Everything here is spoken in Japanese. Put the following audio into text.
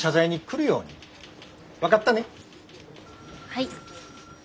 はい。